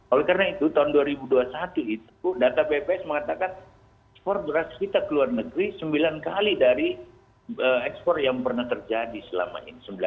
oleh karena itu tahun dua ribu dua puluh satu itu data bps mengatakan ekspor beras kita ke luar negeri sembilan kali dari ekspor yang pernah terjadi selama ini